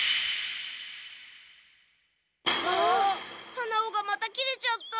はなおがまた切れちゃった！